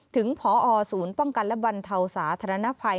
ถึงพอศูนย์ป้องกันระบันเทาสาธารณภัย